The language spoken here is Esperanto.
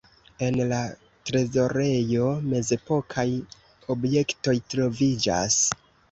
En la trezorejo mezepokaj objektoj troviĝas.